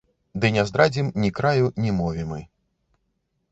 Ды не здрадзім ні краю, ні мове мы.